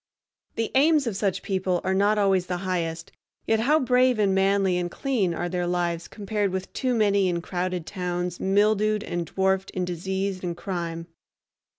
The aims of such people are not always the highest, yet how brave and manly and clean are their lives compared with too many in crowded towns mildewed and dwarfed in disease and crime!